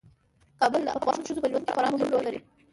کابل د افغان ښځو په ژوند کې خورا مهم رول لري.